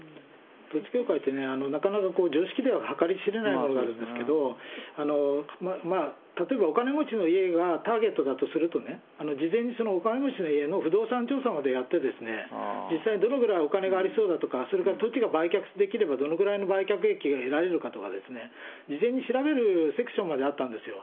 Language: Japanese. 統一教会ってね、なかなか常識では計り知れない部分があるんですけど、まあ、例えばお金持ちの家がターゲットだとするとね、事前に、そのお金持ちの家の不動産調査までやって、実際どのぐらいお金がありそうだとか、それから土地が売却できれば、どのぐらいの売却益が得られるかとかですね、事前に調べるセクションまであったんですよ。